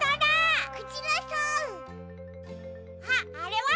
あっあれは？